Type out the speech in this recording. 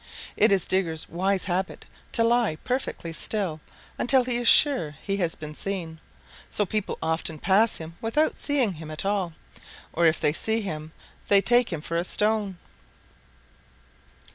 It is Digger's wise habit to lie perfectly still until he is sure he has been seen, so people often pass him without seeing him at all, or if they see him they take him for a stone.